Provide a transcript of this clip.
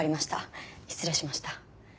失礼しました。